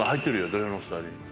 土俵の下に。